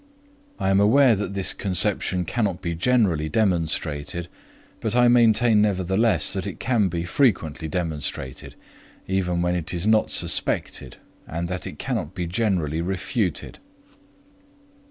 I am aware that this conception cannot be generally demonstrated, but I maintain nevertheless that it can be frequently demonstrated, even when it was not suspected, and that it cannot be generally refuted.